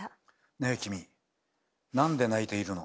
ねえ君なんで泣いているの？